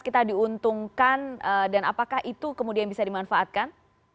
kita diuntungkan dan apakah itu kemudian bisa dimanfaatkan